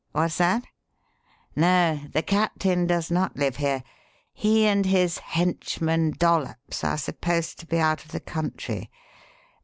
What's that? No, the 'captain' does not live here. He and his henchman, Dollops, are supposed to be out of the country.